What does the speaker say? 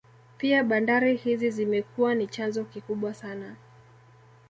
Pia bandari hizi zimekuwa ni chanzo kikubwa sana